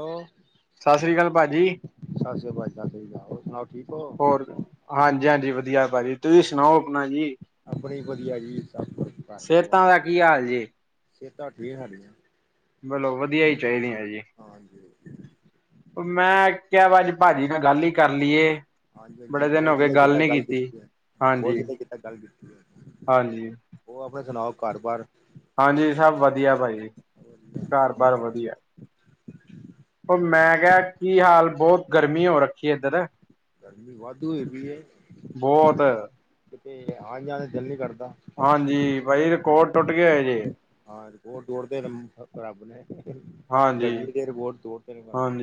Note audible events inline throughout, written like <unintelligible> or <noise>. Hello, ਸਤਿ ਸ੍ਰੀ ਅਕਾਲ ਭਾਜੀ ਸਤਿ ਸ਼੍ਰੀ ਅਕਾਲ ਪਾਜੀ, ਸਤਿ ਸ਼ੀ ਅਕਾਲ, ਹੋਰ ਸੁਣਾਓ ਠੀਕ ਔ ਹੋਰ ਹਾਂਜੀ -ਹਾਂਜੀ ਵਧੀਆ ਪਾਜੀ, ਤੁਸੀਂ ਸੁਣਾਓ ਆਪਣਾ ਜੀ। ਆਪਣੀ ਵੀ ਵਧੀਆ ਜੀ, ਸਭ ਕੁਛ ਘਰ ਪਰਿਵਾਰ ਸਿਹਤਾਂ ਦਾ ਕੀ ਹਾਲ ਜੀ ਸੇਹਤਾਂ ਠੀਕ ਸਾਡੀਆਂ। ਹੈਲੋ ਵਧੀਆ ਇ ਚਾੲਈਦੀਆ ਜੀ। ਹਾਂਜੀ ਮੈਂ ਕੇਆ ਵਾ, ਅੱਜ- ਪਾਜੀ ਨਾਲ ਗੱਲ ਈ ਕਰ ਲੀਏ। ਹਾਂਜੀ- ਹਾਂਜੀ ਬੋਤ ਵਧੀਆ ਕੀਤਾ ਗੱਲ ਕੀਤੀ ਏ, ਅ ਬਹੁਤ ਹਾਂਜੀ ਵਧੀਆ ਕੀਤਾ ਗੱਲ ਕੀਤੀ ਏ। ਹਾਂਜੀ ਹੋਰ ਆਪਣਾ ਸੁਣਾਓ, ਘਰ ਬਾਰ- ਹਾਂਜੀ ਸਭ ਵਧੀਆ ਪਾਜੀ, ਘਰ ਬਾਰ ਮੰਮੀ ਡੈਡੀ? ਵਧੀਆ। ਓ ਮੈਂ ਕੇਆ ਕੀ ਹਾਲ, ਬੋਤ ਗਰਮੀ ਹੋ ਰੱਖੀ ਏਧਰ। ਗਰਮੀ ਵਾਧੂ ਹੋਈ ਪਈ ਏ। ਬਹੁਤ ਕਿਤੇ ਆ ਜਾਣ ਤੇ ਦਿਲ ਨੀ ਕਰਦਾ। ਹਾਂਜੀ ਬਾਈ ਰਿਕੋਡ ਟੁੱਟ ਗਿਆ ਏ ਜੇ। ਹਾਂ ਰਿਕੋੜ ਤੋੜਤੇ ਨੇ ਰਬ ਨੇ, ਹਾਂਜੀ ਗਰਮੀ ਦੇ ਰਿਕੋੜ ਤੋੜਤੇ ਨੇ ਰਬ ਨੇ।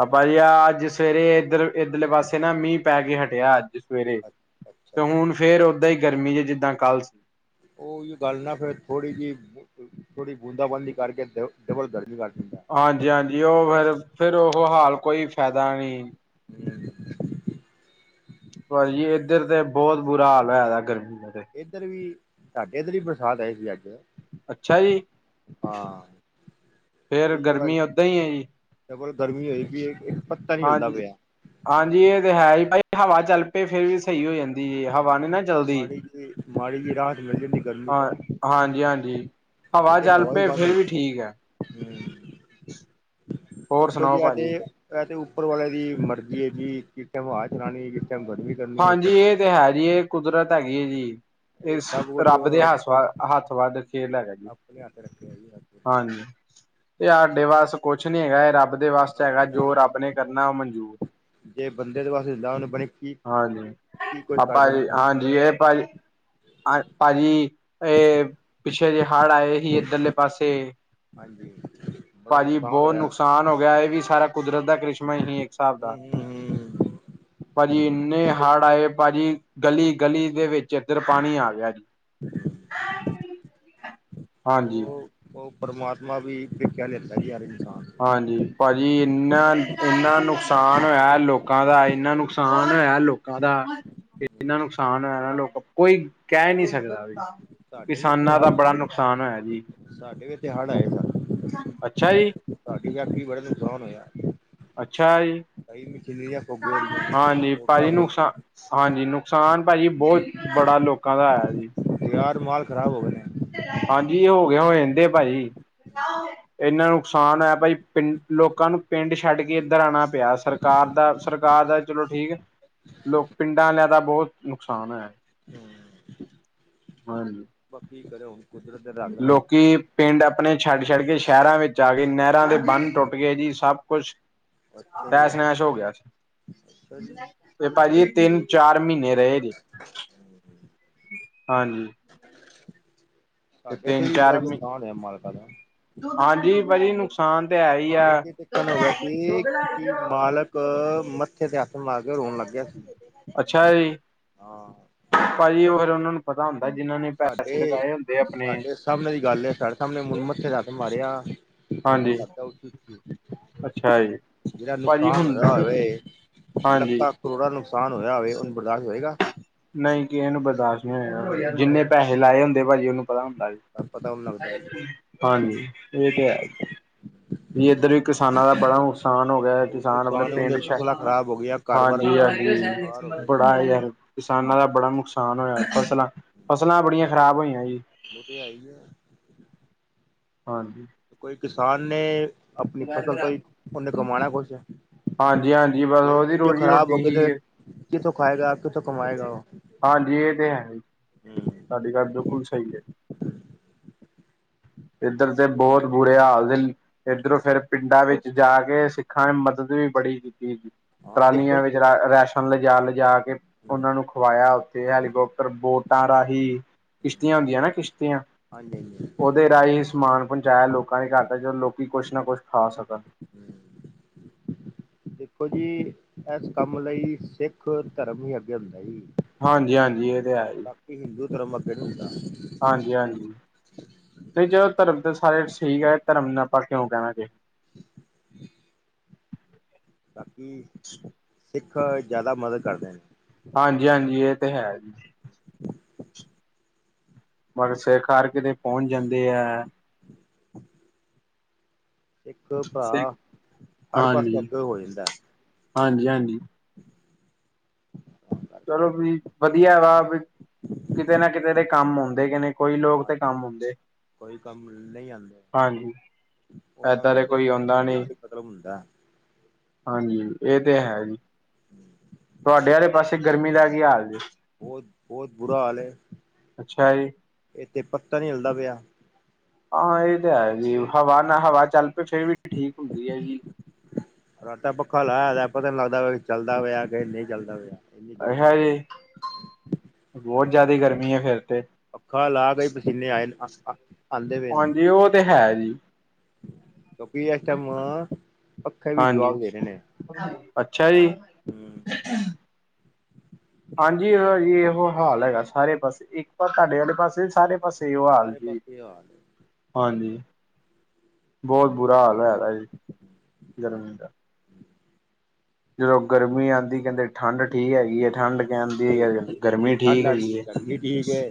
ਆ ਪਾਜੀ ਆ ਅੱਜ ਸਵੇਰੇ ਏਧਰ ਏਧਰਲੇ ਪਾਸੇ ਨਾ ਮੀਂ ਪੈ ਕੇ ਹਟਿਆ ਅੱਜ। ਸਵੇਰੇ ਨੇ ਅੱਛਾ ਤੇ ਜੀ ਹੁਣ ਫੇਰ ਓਦਾਂ ਈ, ਗਰਮੀ ਜੇ ਜਿੱਦਾਂ ਕੱਲ ਸੀ। ਓਈ ਗੱਲ ਨਾ ਫ਼ੇਰ, ਥੋੜੀ ਜੇਈ, ਥੋੜੀ ਬੂੰਦਾ -ਬਾਂਦੀ ਕਰਕੇ ਦ ਡਬਲ ਗਰਮੀ ਕਰਤੀ। ਹਾਂਜੀ -ਹਾਂਜੀ ਓ ਫੇਰ -ਫੇਰ ਓਹੋ ਹਾਲ ਕੋਈ ਫੈਦਾ ਨੀ। <inaudible> ਪਾਜੀ ਏਧਰ ਤੇ ਬੋਤ ਬੁਰਾ ਹਾਲ ਹੋਇਆ ਦਾ ਗਰਮੀ ਦਾ ਤੇ। ਏਧਰ ਵੀ, ਸਾਡੇ ਏਧਰ ਵੀ, ਬਰਸਾਤ ਆਈ ਸੀ ਅੱਜ। ਅੱਛਾ ਜੀ। ਹਾਂ ਫੇਰ ਉਹੀਓ ਅੱਜ ਗਰਮੀ ਓਦਾਂ ਈ, ਏ, ਜੀ। ਡਬਲ ਗਰਮੀ ਹੋਈ ਪਈ ਏ, ਇੱਕ ਪੱਤਾ ਨੀ ਹਿਲਦਾ ਹਾਂਜੀ। ਪਿਆ ਹਾਂਜੀ ਏ ਤੇ ਹੈ, ਈ ਪਾਜੀ ਹਵਾ ਚੱਲ ਪਏ, ਫੇਰ ਵੀ ਸ‌ਈ ਹੋ ਜਾਂਦੀ ਜੇ, ਹਵਾ ਨੀ ਨਾ ਚੱਲਦੀ। ਤੇ ਮਾੜੀ ਜੀ ਰਾਅਤ ਮਿਲਦੀ। ਹਾਂ, ਹਾਂਜੀ -ਹਾਂਜੀ ਹਵਾ ਤੇ ਚੱਲ ਹੀ ਪੋ ਬੰਦ ਫੇਰ ਹੋਈ ਵੀ ਠੀਕ ਆ। ਹੂੰ ਹੋਰ ਦੇਖੋ ਜੀ ਸੁਣਾਓ ਐ ਤੇ ਭਾਜੀ। ਐ ਤੇ ਉੱਪਰ ਵਾਲੇ ਦੀ ਮਰਜ਼ੀ ਏ ਜੀ, ਕਿਥੇ ਹਵਾਅ ਚਲਾਣੀ ਕਿਥੇ ਗਰਮੀ- ਕਰਨੀ ਹੈ ਹਾਂਜੀ ਸਰਦੀ ਏ ਤੇ ਹੈ ਜੀ‌, ਏ ਕੁਦਰਤ ਹੈਗੀ ਏ ਜੀ। ਇਹ ਏਸ ਸਭ ਕੁਛ ਰੱਬ ਦੇ ਹੱਸ ਵ ਹੱਥ ਵੱਸ ਖੇਲ ਹੈਗਾ ਜੀ, ਆਪਣੇ ਹੱਥ ਰੱਖਿਆ ਜੀ ਹਾਂ ਹਾਂਜੀ। ਏ ਹਾਡੇ ਵਸ ਕੁਛ ਨੀ ਹੈਗਾ, ਏ ਰੱਬ ਦੇ ਵਸ 'ਚ ਜੀ ਹੈਗਾ, ਜੋ ਨਾ ਰੱਬ ਨੇ ਕਰਨਾ ਓ ਮਨਜੂਰ ਜੇ ਬੰਦੇ ਦੇ ਵਾਸਤੇ ਜਾਨ ਬਣੀ - ਹਾਂਜੀ ਆਪਾ ਜੀ, ਹਾਂਜੀ ਏ ਪਾਜੀ ਅ ਪਾਜੀ ਏ-ਪਿੱਛੇ ਜੇ ਹੜ ਆਏ ਸੀ ਏਧਰਲੇ ਪਾਸੇ, ਹਾਂਜੀ ਬੜਾ ਪਾਜੀ ਨੁਕਸਾਨ ਬੋ ਹੋਇਆ ਨੁਕਸਾਨ ਹੋ ਗੇਆ ਏ ਵੀ ਸਾਰਾ- ਕੁਦਰਤ ਦਾ ਕਰਿਸ਼ਮਾ ਹੀ ਸੀ, ਇੱਕ ਸਾਬ ਹੂੰ ਦਾ, ਹੂੰ ਹੂੰ ਪਾਜੀ ਇ- ਏਨੇ ਹੜ ਆਏ ਪਾਜੀ, ਗਲੀ- ਗਲੀ ਦੇ ਵਿੱਚ, ਅੰਦਰ ਪਾਣੀ ਆ ਗਿਆ ਜੀ, ਹਾਂਜੀ। ਉਹ ਉਹ ਪਰਮਾਤਮਾ ਵੀ ਪ੍ਰੀਖਿਆ ਲੈਂਦਾ ਜੀ ਹਰ ਇਨਸਾਨ ਦੀ। ਹਾਂਜੀ ਭਾਜੀ ਏਨਾ, ਏਨਾ ਨੁਕਸਾਨ ਹੋਇਆ ਲੋਕਾਂ ਦਾ ਏਨਾ ਨੁਕਸਾਨ ਹੋਇਆ ਲੋਕ- ਕਾਦਾ, ਏਨਾ ਨੁਕਸਾਨ ਹੋਇਆ ਨਾ ਲੋਕਾ ਕੋਈ ਕਹਿ ਨੀ ਸਕਦਾ। ਸਾਡੇ ਵੀ ਇੱਥੇ ਕਿਸਾਨਾਂ ਦਾ ਹੜ ਬੜਾ ਨੁਕਸਾਨ ਹੋਇਆ ਜੀ। ਸਾਡੇ ਵੀ ਏਥੇ ਹੜ੍ਹ ਆਏ ਸਨ। ਅੱਛਾ ਜੀ ਸਾਡੀ ਫੈਕਟਰੀ ਬੜਾ ਨੁਕਸਾਨ ਹੋਇਆ। ਅੱਛਾ ਜੀ ਕਈ ਮਸ਼ੀਨਰੀਆਂ <unintelligible> ਹਾਂਜੀ ਮੋਟਰਾਂ ਭਾਜੀ <unintelligible> ਨੁਕਸਾਨ ਹਾਂਜੀ ਨੁਕਸਾਨ ਭਾਜੀ ਬੋਤ ਬੜਾ ਲੋਕਾਂ ਦਾ ਹੋਇਆ ਜੀ। ਤਿਆਰ ਮਾਲ ਖਰਾਬ ਹੋ ਗਏ ਨੇ। ਹਾਂਜੀ ਏ ਹੋਗੇ ਹੋਂਦੇ ਭਾਜੀ। ਏਨਾ ਨੁਕਸਾਨ ਹੋਇਆ ਭਾਈ ਪਿੰ ਲੋਕਾਂ ਨੂੰ ਪਿੰਡ ਛੱਡ ਕੇ ਏਧਰ ਆਣਾ- ਪਿਆ ਸਰਕਾਰ ਦਾ ਸਰਕਾਰ ਦਾ ਚਲੋ ਠੀਕ, ਲੋਕ ਪਿੰਡਾਂ ਆਲਿਆਂ ਦਾ ਬੋਤ- ਨੁਕਸਾਨ ਹੋਇਆ। ਹੂੰ, ਹਾਂਜੀ ਬਾਕੀ ਕੀ ਕਰੇ ਹੁਣ। ਕੁਦਰਤ ਦੇ ਰੰਗ ਨੇ ਲੋਕੀ ਪਿੰਡ ਆਪਣੇ ਛੱਡ-ਛੱਡ ਕੇ ਸ਼ਹਿਰਾਂ ਵਿੱਚ ਆ ਗਏ ਨਹਿਰਾਂ ਦੇ ਬੰਨ ਟੁੱਟ ਗਏ ਜੀ। ਸਭ ਕੁਛ, ਅੱਛਾ ਜੀ ਤੈਸ਼-ਨੈਸ਼ ਹੋ ਗਿਆ ਸੀ। ਅੱਛਾ ਜੀ ਫੇ- ਭਾਜੀ ਤਿੰਨ ਚਾਰ ਮੀਨੇ ਰ‌ਏ ਜੇ। ਹਾਂਜੀ <inaudible> ਸਾਡੇ ਤੇ ਤਿੰਨ ਵੀ ਬੜਾ ਚਾਰ ਮਹੀ ਨੁਕਸਾਨ ਆ ਮਾਲਕਾ ਦਾ। ਹਾਂਜੀ ਭਾਜੀ ਨੁਕਸਾਨ ਤਾਂ ਹੈ ਹੀ ਆ। ਇਹ ਤੇ ਦੁੱਧ ਤਿੱਕਣ ਲੈ ਗੀ, ਦੁੱਧ ਲੈ ਜੀਓ। ਕ ਮੱਥੇ ਤੇ ਹੱਥ ਮਾਰ ਕੇ ਰੋਣ ਲੱਗ ਗਿਆ ਸੀ। ਅੱਛਾ ਜੀ, ਹਾਂ ਭਾਜੀ ਹੋਰ ਉਹਨਾਂ ਨੂੰ- ਪਤਾ ਹੁੰਦਾ ਜਿਨਾਂ ਨੇ ਪੈਸੇ ਸਾਡੇ ਲਗਾਏ ਹੁੰਦੇ ਆਪਣੇ। ਸਾਡੇ ਸਾਹਮਣੇ ਦੀ ਗੱਲ ਏ ਸਰ ਸਾਹਮਣੇ ਮੁ ਮੱਥੇ ਤੇ ਹੱਥ ਮਾਰਿਆ। ਫਿਰ ਹੁਣ ਹਾਂਜੀ ਲੱਗਦਾ ਅੱਛਾ <unintelligible> ਜੀ ਜਿਹੜਾ ਭਾਜੀ ਨੁਕਸਾਨ ਹੁਣ ਹੋਇਆ ਹੋਵੇ। ਹਾਂਜੀ ਕਰੋੜ ਦਾ ਨੁਕਸਾਨ ਹੋਇਆ ਹੋਵੇ ਉਹਨੂੰ ਬਰਦਾਸ਼ਤ ਹੋਏਗਾ। ਨਹੀਂ ਕਿਸੇ ਨੂੰ ਬਰਦਾਸ਼ਤ ਨਹੀਂ ਹੋਇਆ ਜਿੰਨੇੈੇ ਲਾਏ ਹੁੰਦੇ ਭਾਜੀ ਉਹਨੂੰ ਪਤਾ ਹੁੰਦਾ। ਪਤਾ ਉਹਨੂੰ ਲੱਗਦਾ ਜੀ ਹਾਂਜੀ, ਇਹ ਤੇ ਹੈ। ਵੀ ਏਧਰ ਵੀ ਕਿਸਾਨਾਂ ਦਾ ਬੜਾ ਨੁਕਸਾਨ ਹੋ ਹੋਇਆ ਉਹ ਕਿਸਾਨ ਆਪਣੇ ਨੁਕਸਾਨ ਉਹਨੇ ਪਿੰਡ ਛੱਡ, ਫਸਲਾਂ ਖ਼ਰਾਬ ਹੋ ਗਈਆਂ ਘਰ ਬਾਰ ਬੇਕਾਰ ਹੋ ਹਾਂਜੀ-ਹਾਂਜੀ, ਗਿਆ ਜੀ ਬੜਾ ਯਾਰ ਕਿਸਾਨਾਂ ਦਾ ਬੜਾ ਨੁਕਸਾਨ ਹੋਇਆ ਫਸਲਾਂ, ਫਸਲਾਂ ਬੜੀਆਂ ਖਰਾਬ ਹੋਈਆਂ ਜੀ। ਉਹ ਤੇ ਹੈ ਈ ਐ। ਹਾਂਜੀ। ਕੋਈ ਕਿਸਾਨ ਨੇ, ਆਪਣੀ ਫਸਲ ਤੋ ਈ ਉਹਨੇ ਕਮਾਣਾ ਕੁਛ। ਹਾਂਜੀ-ਹਾਂਜੀ ਮਤਲਬ ਉਹਦੀ ਰੋਜ਼ ਰੋਟੀ ਹੀ ਕਿਧਰੇ, ਹੈ। ਕਿਥੋਂ ਖਾਏਗਾ ਕਿਥੋਂ ਕਮਾਏਗਾ ਉਹ। ਹਾਂਜੀ ਇਹ ਤੇ ਹੈ ਈ। ਤਾਡੀ ਗੱਲ ਬਿਲਕੁਲ ਸਹੀ ਐ। ਇੱਧਰ ਤੇ ਬਹੁਤ ਬੁਰੇ ਹਾਲ ਦੇ। ਇਧਰੋਂ ਫਿਰ ਪਿੰਡਾਂ ਵਿੱਚ ਜਾ ਕੇ ਸਿੱਖਾਂ ਨੇ ਮਦਦ ਵੀ ਬੜੀ ਕੀਤੀ ਸੀ। ਹਾਂ ਦੇਖੋ ਟਰਾਲੀਆਂ ਵਿੱਚ ਰਾਸ਼ਨ ਲਿਜਾ-ਲਿਜਾ ਕੇ ਉਹਨਾਂ ਨੂੰ ਖਵਾਇਆ। ਤੇ ਹੈਲੀਕੋਪਟਰ ਬੋਟਾਂ ਰਾਹੀਂ, ਕਿਸ਼ਤੀਆਂ ਹੁੰਦੀਆਂ ਨਾ ਕਿਸ਼ਤੀਆਂ। ਹਾਂਜੀ ਹਾਂਜੀ ਹਾਂਜੀ। ਉਹਦੇ ਰਾਹੀਂ ਸਮਾਨ ਪਹੁੰਚਾਇਆ ਲੋਕਾਂ ਨੇ ਘਰ ਤੱਕ ਜਦੋਂ ਲੋਕੀ ਕੁਛ ਨਾ ਕੁੱਛ ਖਾ ਸਕਣ। ਹੂੰ ਦੇਖੋ ਜੀ ਇਸ ਕੰਮ ਲਈ ਸਿੱਖ ਧਰਮ ਈ ਅੱਗੇ ਹੁੰਦਾ ਜੀ। ਹਾਂਜੀ ਹਾਂਜੀ ਇਹ ਤੇ ਹੈ ਜੀ। ਹਿੰਦੂ ਧਰਮ <unintelligible> ਹੁੰਦਾ, ਹਾਂਜੀ ਹਾਂਜੀ, ਨਹੀਂ ਜਦੋਂ ਧਰਮ ਤਾਂ ਸਾਰੇ ਠੀਕ ਐ ਧਰਮ ਆਪਾਂ ਕਿਉਂ ਕਹਿਣਾ ਜੀ। <inaudible> ਬਾਕੀ ਸਿੱਖ ਜ਼ਿਆਦਾ ਮਦਦ ਕਰਦੇ ਨੇ, ਹਾਂਜੀ ਹਾਂਜੀ ਇਹ ਤੇ ਹੈ ਜੀ। ਮਗਰ ਸਿਰਕਾਰ ਕਿਤੇ ਪਹੁੰਚ ਜਾਂਦੇ ਐ। <inaudible> ਇੱਕ ਸਿੱਖ ਭਰਾ, ਹਰ ਪਾਸੇ ਅੱਗੇ ਹੋ ਜਾਂਦਾ। ਹਾਂਜੀ ਹਾਂਜੀ, ਤਾਂ ਕਰਕੇ ਚਲੋ ਵੀ ਵਧੀਆ ਵਾ, ਕਿਤੇ ਨਾ ਕਿਤੇ ਦੇ ਕੰਮ ਆਉਦੇ ਨੇ ਕੋਈ ਲੋਕ ਤੇ ਕੰਮ ਅੱਜ ਆਉਦੇ। ਕੋਈ ਕੰਮ ਨੀ ਆਦਾ। ਹਾਂਜੀ, ਉਹਨਾਂ ਏਦਾਂ ਨੂੰ ਦੇ ਕੋਈ ਸਿਰਫ ਆਉਂਦਾ ਆਪਣੇ ਨੀ ਨਾਲ ਈ ਮਤਲਬ ਹੁੰਦਾ। ਹਾਂਜੀ ਇਹ ਤੇ ਹੈ ਜੀ। <inaudible> ਤੁਹਾਡੇ ਆਲੇ ਪਾਸੇ ਗਰਮੀ ਦਾ ਕੀ ਹਾਲ ਜੇ? ਬੋਤ ਬੋਤ ਬੁਰਾ ਹਾਲ ਐ ਅੱਛਾ ਜੀ। ਇਥੇ ਪਤਾ ਨੀ ਹਿਲਦਾ ਪਿਆ। ਹਾਂ ਇਹ ਤਾਂ ਹੈਗੀ ਹਵਾ ਨਾ ਹਵਾ ਚੱਲ ਪਏ ਫੇਰ ਵੀ ਠੀਕ ਹੁੰਦੀ ਐ ਜੀ। ਫਰਾਟਾ ਪੱਖਾ ਲਾਇਦਾ ਪਤਾ ਨਹੀਂ ਲੱਗਦਾ ਚੱਲਦਾ ਹੋਇਆ ਕਿ ਨਹੀਂ ਚੱਲਦਾ ਹੋਇਆ। ਅੱਛਾ ਜੀ, ਬੋਤ ਜ਼ਿਆਦਾ ਗਰਮੀ ਐ ਫਿਰ ਤੇ ਪੱਖਾ ਲਾ ਦੇ ਪਸੀਨੇ ਆਏ ਨੇ, ਪਏ ਹਾਂਜੀ ਉਹ ਤੇ ਹੈ ਜੀ। ਕਿਉਂਕਿ ਇਸ ਟੈਮ, ਪੱਖੇ ਵੀ ਹਾਂਜੀ ਜਵਾਬ ਦੇ ਰਹੇ ਨੇ। ਅੱਛਾ ਜੀ। ਹਮ ਹਾਂਜੀ ਜੀ ਇਹੋ ਹਾਲ ਹੈਗਾ ਸਾਰੇ ਪਾਸੇ, ਇੱਕ ਪਾ ਤੁਹਾਡੇ ਵਾਲੇ ਪਾਸੇ ਸਾਰੇ ਪਾਸੇ ਐਈਓ ਹਾਲ ਸਾਰੇ ਜੀ। ਪਾਸੇ ਇਹ ਹਾਲ ਹੈ ਹਾਂਜੀ, ਬਹੁਤ ਬੁਰਾ ਹਾਲ ਹੈਗਾ ਜੀ ਗਰਮੀ ਦਾ। <inaudible> ਜਦੋਂ ਗਰਮੀ ਆਦੀ ਕਹਿੰਦੇ ਠੰਡ ਠੀਕ ਹੈਗੀ ਐ ਠੰਡ ਕਹਿੰਦੀ ਹੈ ਜੇ ਗਰਮੀ ਠੰਡ ਠੀਕ ਆਦੀ ਹੈਗੀ ਹੈ ਗਰਮੀ ਠੀਕ ਐ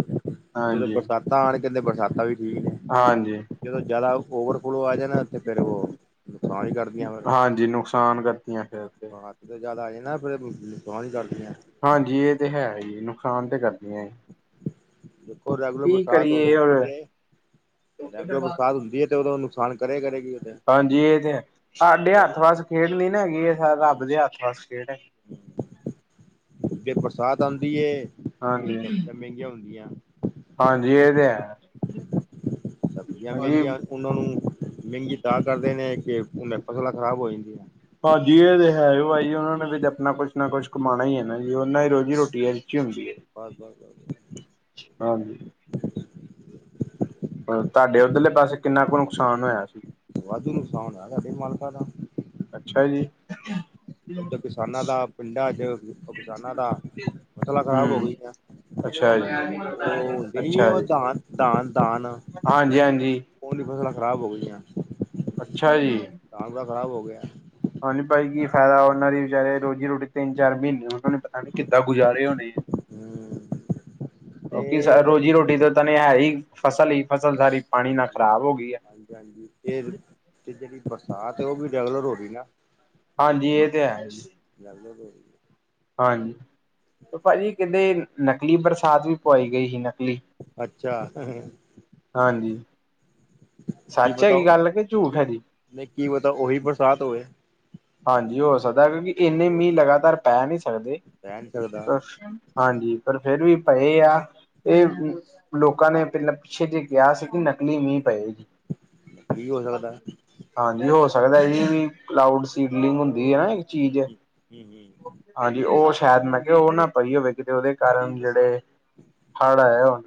ਜਦੋਂ ਹਾਂਜੀ ਬਰਸਾਤ ਤਾਂ ਹੁਣ ਕਹਿੰਦੇ ਬਰਸਾਤਾਂ ਵੀ ਠੀਕ ਨੇ। ਹਾਂਜੀ। ਜਦੋਂ ਜਿਆਦਾ ਓਵਰ ਫਲੋ ਆ ਜਾਨਾ ਉੱਥੇ ਫਿਰ ਉਹ ਨੁਕਸਾਨ ਈ ਕਰ ਹਾਂਜੀ ਨੁਕਸਾਨ ਕਰਤੀਆਂ ਫੇਰ ਹਦ ਤੋ ਜਿਆਦਾ ਆਜੇ ਨਾ ਫਿਰ <unintelligible> ਕਰਦੀਆ। ਹਾਂਜੀ ਇਹ ਤੇ ਹੈ ਈ ਨੁਕਸਾਨ ਤਾਂ ਕਰਦੀਆਂ ਈ। <inaudible> ਔ ਰੈਗੁਲਰ ਬਰਸਾਤ ਕਰੀਏ ਹੋਰ ਹੁੰਦੀ ਐ, ਰੈਗੁਲਰ ਬਰਸਾਤ ਹੁੰਦੀ ਐ ਤੇ ਉਹਦਾ ਨੁਕਸਾਨ ਕਰੇ ਕਰੇਗੀ। ਤੇ ਹਾਂਜੀ ਇਹ ਤੇ ਹੈ, ਸਾਡੇ ਹੱਥ ਵਸ ਖੇਡ ਨੀ ਨਾ ਹੈਗੀ ਇਹ ਰੱਬ ਦੇ ਹੱਥ ਵਸ ਖੇਡ ਐ। ਫੇਰ ਬਰਸਾਤ ਆਦੀ ਐ। ਹਾਂਜੀ, ਹਾਂਜੀ ਇਹ ਤੇ ਹੈ। ਸਬਜ਼ੀਆਂ ਹਾਂਜੀ, ਮਹਿੰਗੀਆਂ ਉਹਨਾਂ ਨੂੰ, ਮਹਿੰਗੀ ਤਾ ਕਰਦੇ ਨੇ ਕਿ ਹ ਫਸਲਾਂ ਖਰਾਬ ਹੋ ਜਾਂਦੀਆ। ਭਾਜੀ ਇਹ ਤੇ ਹੈ ਭਾਜੀ, ਉਹਨਾ ਨੇ ਵੀ ਆਪਣਾ ਕੁਛ ਨਾ ਕੁੱਛ ਕਮਾਣਾ ਈਏ, ਨਾ ਜੀ। ਉਹਨਾਂ ਹੀ ਰੋਜ਼ੀ-ਰੋਟੀ, ਏਹਦ'ਚੀ ਹੁੰਦੀ। ਹੈ। ਬਸ-ਬਸ-ਬਸ। ਹਾਂਜੀ। ਤੁਹਾਡੇ ਉੱਧਰਲੇ ਪਾਸੇ, ਕਿੰਨਾ ਕੁ ਨੁਕਸਾਨ ਹੋਇਆ ਸੀ? ਵਾਧੂ ਨੁਕਸਾਨ ਹੋਇਆ, ਤ੍ਹਾਡੇ ਮਾਲਕਾ ਦਾ। ਅੱਛਾ ਜੀ। ਓਧਰ ਕਿਸਾਨਾਂ ਦਾ ਪਿੰਡਾਂ'ਚ, ਉਹ ਕਿਸਾਨਾਂ ਦਾ ਫਸਲਾਂ ਖ਼ਰਾਬ ਹੋ ਹੂੰ। ਗਈਆਂ। ਅੱਛਾ ਜੀ ਉਹ ਹੁੰਦੀ ਨੀ, ਅੱਛਾ ਉਹ ਜੀ ਦਾਨ, ਦਾਨ, ਦਾਨ। ਹਾਂਜੀ ਹਾਂਜੀ ਓੰਦੀ ਫਸਲਾਂ ਖ਼ਰਾਬ ਹੋ ਗਈਆਂ। ਅੱਛਾ ਜੀ। ਸ੍ਹਾਬ-ਕਤਾਬ ਖਰਾਬ ਹੋਗਿਆ। ਹਾਂਜੀ, ਭਾਈ ਕੀ ਫਾਇਦਾ, ਉਹਨਾਂ ਦੀ ਵਿਚਾਰੇ ਰੋਜ਼ੀ-ਰੋਟੀ, ਤਿੰਨ-ਚਾਰ ਮਹੀਨੇ ਉਹਨਾਂ ਨੇ ਪਤਾ ਨੀ ਕਿੱਦਾਂ ਗੁਜ਼ਾਰੇ ਹੋਣੇ। ਹਮ ਤੇ ਓਕੇ ਸਰ ਰੋਜ਼ੀ-ਰੋਟੀ ਤਾ ਤਨੇ ਹੈ ਹੀ, ਫਸਲ ਹੀ ਫਸਲ ਸਾਰੀ। ਪਾਣੀ ਨਾਲ ਖ਼ਰਾਬ ਹੋ ਗਈ ਹੈ। ਹਾਂ-ਹਾਂਜੀ-ਹਾਂਜੀ, ਤੇ ਤੇ ਜਿਹੜੀ ਬਰਸਾਤ ਹੈ ਉਹ ਵੀ ਰੈਗੂਲਰ ਹੋ ਰਹੀ ਨਾ। ਹਾਂਜੀ, ਇਹ ਤੇ ਹੈ‌। ਲਗਦਾ ਹਾਂਜੀ, ਭਾਜੀ ਕਿਡੇ ਨਕਲੀ ਬਰਸਾਤ ਵੀ ਪਵਾਈ ਗਈ ਸੀ, ਨਕਲੀ, ਹੈ। ਅੱਛਾ ਹਾਂਜੀ। ਕੀ ਸੱਚ ਪਤਾ ਹੈਗੀ ਓ, ਗੱਲ ਕਿ ਝੂਠ ਹੈਗੀ ਕੀ ਪਤਾ ਉਹੀ ਬਰਸਾਤ ਹੋਏ। ਹਾਂਜੀ, ਹੋ ਸਕਦਾ ਕਿਉਂਕਿ ਇੰਨੇ ਮੀਂਹ ਲਗਾਤਾਰ ਪੈ ਨਹੀਂ ਸਕਦੇ। ਰਹਿ ਨਹੀਂ ਸਕਦਾ ਹਾਂਜੀ, ਪਰ ਫੇਰ ਵੀ ਪਏ ਆ। ਏ, ਲੋਕਾਂ ਨੇ ਪਹਿਲਾਂ ਪਿੱਛੇ ਜੇ ਕਿਹਾ ਸੀ ਕਿ ਨ ਲੀ ਨਹੀ ਪਏ ਜੀ, ਕੀ ਹੋ ਸਕਦਾ ਹਾਂਜੀ, ਹੋ ਸਕਦਾ ਜੀ ਵੀ ਕਡ ਇਡਲੀਂਗ ਹੁੰਦੀ ਆ ਨਾ, ਇੱਹ ਚੀਜ਼ ਹਮ ਹਮ ਹਾਂਜੀ, ਉਹ ਸ਼ਾਇਦ ''ਮੈਂ ਕਿਹਾ ਉਹ ਨਾ ਪਈ ਹੋਵੇ, ਕਿਤੇ ਉਹਦੇ ਕਾਰਨ ਜਿਹੜੇ ਹੜ ਆਏ ਹੋਣ।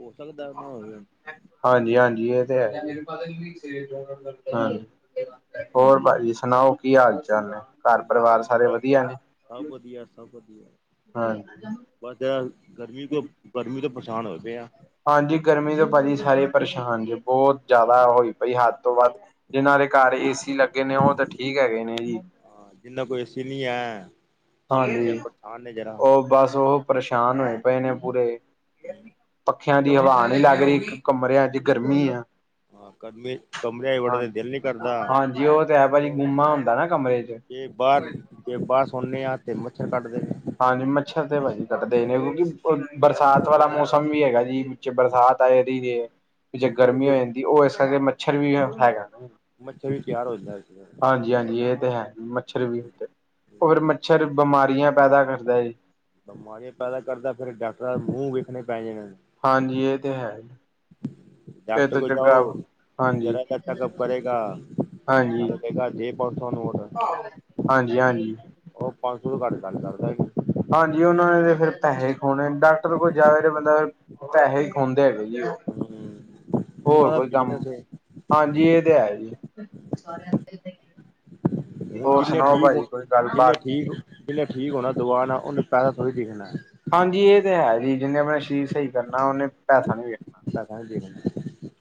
ਹੋ ਸਕਦਾ, ਓ ਨਾਲ ਹੋਏ ਹੋਣ। ਹਾਂਜੀ-ਹਾਂਜੀ, ਇਹ ਤਾ ਹੈ। ਹਾਂ, ਹੋਰ ਭਾਜੀ ਸੁਣਾਓ ਕੀ ਹਾਲ-ਚਾਲ ਨੇ? ਬਸ ਘਰ-ਪਰਿਵਾਰ ਠੀਕ ਸਾਰੇ ਠਾਕ ਵਧੀਆ ਨੇ? ਸਭ ਵਧੀਆ, ਸਭ ਵਧੀਆ। ਹਾਂ। ਬਸ ਯਾਰ, ਗਰਮੀ ਤੋਂ, ਗਰਮੀ ਤੋਂ ਪਰੇਸ਼ਾਨ ਹੋਏ ਪਏ ਆ। ਹਾਂਜੀ ਗਰਮੀ ਤੋਂ ਭਾਜੀ ਸਾਰੇ ਪਰੇਸ਼ਾਨ ਜੇ, ਬਹੁਤ ਜ਼ਿਆਦਾ ਹੋਈ ਪਈ ਹੱਦ ਤੋਂ ਵੱਧ। ਜਿਨਾਂ ਦੇ ਘਰ ਏਸੀ ਲੱਗੇ ਨੇ, ਉਹ ਤਾ ਠੀਕ ਹੈਗੇ ਨੇ ਜੀ। ਹਾਂ, ਜਿੰਨਾ ਕੋਈ ਏਸੀ ਨਹੀਂ ਹੈ ਹਾਂਜੀ, ਉਹ ਬਸ ਉਹ ਪਰੇਸ਼ਾਨ ਹੋਏ ਪਏ ਨੇ ਪੂਰੇ। ਪੱਖਿਆਂ ਦੀ ਹਵਾ ਨੀ ਲੱਗ ਰਹੀ, ਇੱਕ ਕਮਰਿਆਂ'ਚ ਗਰਮੀ ਆ। ਹਾਂ ਕਮਰੇ ਕਮਰਿਆਂ ਚ ਵੜਨ ਹਾਂ, ਦਾ ਦਿਲ ਨੀ ਕਰਦਾ। ਹਾਂਜੀ, ਉਹ ਤੇ ਹੈ ਭਾਜੀ ਅੱਗੋਂ ਗੁੰਮਾ ਹੁੰਦਾ ਨਾ ਕਮਰੇ'ਚ। ਜੇ ਬਾਹਰ, ਜੇ ਬਾਹਰ ਸੋਨੇ ਆ ਤਾਂ ਮੱਛਰ ਕਾਟਦੇ ਨੇ। ਹਾਂਜੀ, ਮੱਛਰ ਤੇ ਭਾਜੀ ਕੱਟਦੇ ਨੇ, ਕਿਉਂਕਿ ਬਰਸਾਤ ਵਾਲਾ ਮੌਸਮ ਵੀ ਹੈਗਾ ਜੀ। ਵਿੱਚੇ ਬਰਸਾਤ ਆ ਜਾਂਦੀ ਦੇ, ਵਿੱਚੇ ਕਿਉਂਕਿ ਗਰਮੀ ਹੋ ਚ ਜਾਂਦੀ ਉਹ ਇਸ ਕਰਕੇ ਮੱਛਰ ਵੀ ਹੈਗਾ। ਮੱਛਰ ਵੀ ਤਿਆਰ ਹੋ ਜਾਂਦੈ ਹਾਂਜੀ-ਹਾਂਜੀ, ਏ ਤੇ ਹੈ। ਮੱਛਰ ਵੀ ਉਥੇ ਹੋਰ ਮੱਛਰ ਬਮਾਰੀਆਂ ਪੈਦਾ ਕਰਦੈ ਜੀ ਬਮਾਰੀਆਂ ਪੈਦਾ ਕਰਦੈ ਫੇੇਰ ਡਾਕਟਰਾਂ ਮੂੰਹ ਵੇਖਣੇ ਪੈ ਜਾਣੇ। ਹਾਂਜੀ, ਏ ਤੇ ਹੈ ਈ। ਡਾਕਟਰ ਕੋਲ <unintelligible> ਜਾਓ ਹਾਂਜੀ ਜਰਾ ਜਾ ਚੈੱਕਅਪ ਕਰੇਗਾ। ਹਾਂਜੀ। ਨਾਲੇ ਕਹੇਗਾ ਦੇ ਪੰਜ ਸੌ ਹਾਂਜੀ-ਹਾਂਜੀ। ਓਹ ਪੰਜ ਸੌ ਤੋਂ ਘੱਟ ਗੱਲ ਕਰਦਾ ਈ ਨੀ। ਹਾਂਜੀ, ਓਹਨਾਂ ਨੇ ਤੇ ਫੇਰ ਪੈਹੇ ਕਮੋਣੇ। ਡਾਕਟਰ ਕੋਲ ਜਾਵੇ ਤੇ ਬੰਦਾ ਪੈਹੇ ਹੀ ਖੋਂਦੇ ਹੈਗੇ ਜੀ ਓਹ ਉਹਨਾਂ ਹੋਰ ਦਾ ਕੋਈ ਕੰਮ? ਬਿਜਨਸ ਏ। ਹਾਂਜੀ ਏਹ ਤੇ ਹੈ ਜੀ। ਸਾਰਿਆਂ ਦੇ ਹੁਣ ਹੋਰ ਜਿੰਨੇ ਸੁਣਾਓ ਠੀਕ ਭਾਜੀ, ਹੋ ਕੋਈ ਗੱਲ ਜਿੰਨੇ ਬਾਤ ਠੀਕ ਜਿੰਨੇ ਠੀਕ ਹੋਣਾ ਦਵਾਣਾ, ਓਨੇ ਪੈਸਾ ਥੋੜੀ ਦੇਖਣੈ। ਹਾਂਜੀ, ਏਹ ਤੇ ਹੈ ਜੀ। ਜਿੰਨੇ ਆਪਣਾ ਸ਼ਰੀਰ ਸਈ ਕਰਨਾ ਓਨੇ ਪੈਸਾ ਨਹੀਂ ਵੇਖਣਾ। ਪੈਸਾ ਨਈ ਦੇਖਣਾ।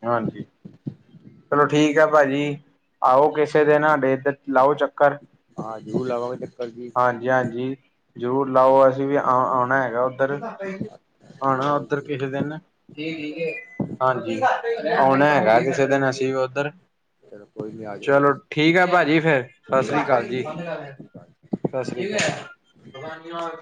ਹਾਂਜੀ। ਚਲੋ ਠੀਕ ਐ, ਭਾਜੀ। ਆਓ ਕਿਸੇ ਦਿਨ ਸਾਡੇ ਏਦਰ। ਲਾਓ ਚੱਕਰ। ਹਾਂ ਜ਼ਰੂਰ ਲਾਵਾਂਗੇ ਚੱਕਰ ਜੀ ਹਾਂਜੀ-ਹਾਂਜੀ, ਜ਼ਰੂਰ ਲਾਓ ਅ ਜਿਵੇਂ ਆਣਾ ਹੈਗਾ ਓਧਰ ਜ਼ਰੂਰ ਆਣਾ ਆਓ ਓਧਰ ਜੀ ਕਿਸੇ ਦਿਨ ਜੀ ਠੀਕ ਏ। ਹਾਂਜੀ, ਓਣਾ ਹੈਗੈ ਕਿਸੇ ਦਿਨ ਅਸੀਂ ਵੀ ਓਧਰ। ਚਲੋ ਕੋਈ ਨਹੀਂ ਆ ਜਾਓ ਚਲੋ, ਜੀ ਠੀਕ ਹੈ ਭਾਜੀ ਫੇਰ, ਸਤਿ ਸ੍ਰੀ ਕਾਲ ਸ਼੍ਰੀ ਜੀ। ਅਕਾਲ ਸਤਿ ਸ਼੍ਰੀ ਕਾਲ।